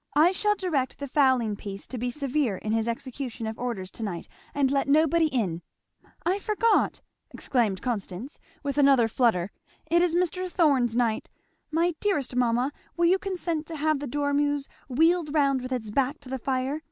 I shall direct the fowling piece to be severe in his execution of orders to night and let nobody in. I forgot!" exclaimed Constance with another flutter, "it is Mr. Thorn's night! My dearest mamma, will you consent to have the dormeuse wheeled round with its back to the fire?